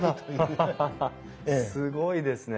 すごいですね。